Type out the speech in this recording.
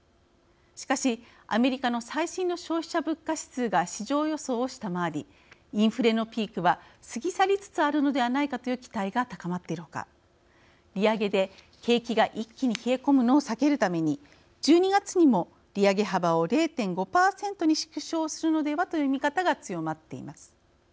しかしアメリカの最新の消費者物価指数が市場予想を下回りインフレのピークは過ぎ去りつつあるのではないかという期待が高まっているほか利上げで景気が一気に冷え込むのを避けるために１２月にも利上げ幅を０．５％に縮小するのではという見方が強まっています。